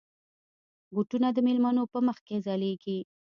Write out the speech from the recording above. بوټونه د مېلمنو په مخ کې ځلېږي.